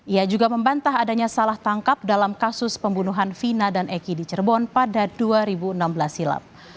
ia juga membantah adanya salah tangkap dalam kasus pembunuhan vina dan eki di cirebon pada dua ribu enam belas silam